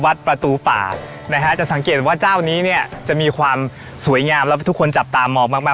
ประตูป่านะฮะจะสังเกตว่าเจ้านี้เนี่ยจะมีความสวยงามแล้วทุกคนจับตามองมากมาก